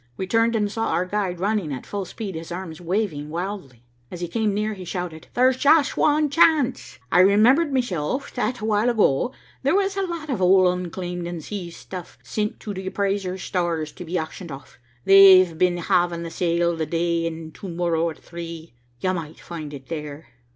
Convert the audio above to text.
We turned and saw our guide running at full speed, his arms waving wildly. As he came near he shouted, "There's just wan chance. I remembered meself that a while ago, there was a lot of old unclaimed and seized stuff sint to the appraiser's stores to be auctioned off. They've been havin' the sale the day and to morrer at three. You might find it there."